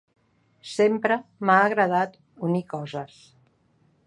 Sempre m'ha agradat unir coses.